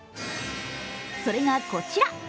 それがこちら。